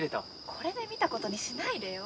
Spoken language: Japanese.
これで見たことにしないでよ？